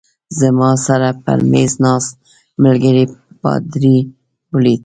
زما سره پر مېز ناست ملګري پادري ولید.